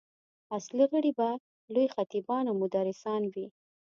اصلي غړي به لوی خطیبان او مدرسان وي.